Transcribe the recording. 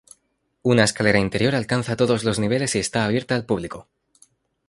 Una escalera interior alcanza todos los niveles y está abierta al público.